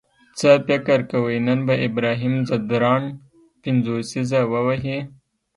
څه فکر کوئ نن به ابراهیم ځدراڼ پنځوسیزه ووهي؟